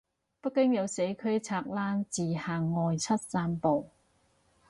北京有社區拆欄自行外出散步